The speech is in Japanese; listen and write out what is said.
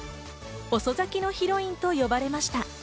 遅咲きのヒロインと呼ばれました。